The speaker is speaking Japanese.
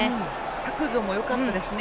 角度もよかったですね。